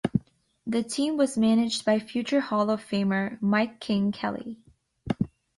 The team was managed by future Hall-of-Famer Mike "King" Kelly.